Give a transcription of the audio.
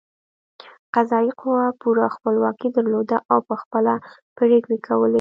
قضايي قوه پوره خپلواکي درلوده او په خپله پرېکړې کولې.